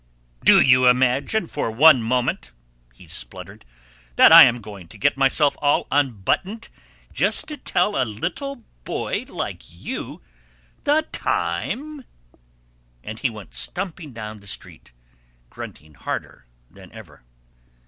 "Do you imagine for one moment," he spluttered, "that I am going to get myself all unbuttoned just to tell a little boy like you the time!" And he went stumping down the street, grunting harder than ever.